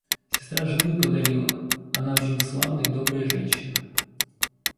Сестра жены подарила — она очень славная и добрая женщина.